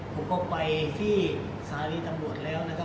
ผมก็ไปที่สถานีตำรวจแล้วนะครับ